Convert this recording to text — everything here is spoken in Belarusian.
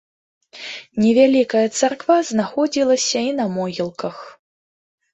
Невялікая царква знаходзілася і на могілках.